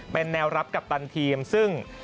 เป็นแนวรับกัปตันทีมซึ่ง